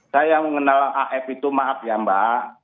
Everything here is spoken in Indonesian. saya yang mengenal af itu maaf ya mbak